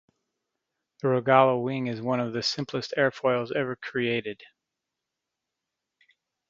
The Rogallo wing is one of the simplest airfoils ever created.